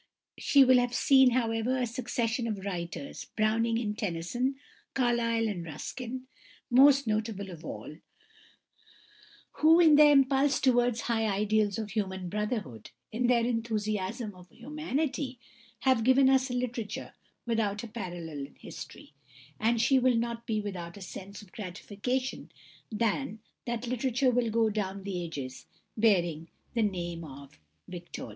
She will have seen, however, a succession of writers, Browning and Tennyson, Carlyle and Ruskin, most notable of all, who in their impulse towards high ideals of human brotherhood, in their enthusiasm of humanity, have given us a literature without a parallel in history; and she will not be without a sense of gratification that that literature will go down the ages bearing the name of Victorian.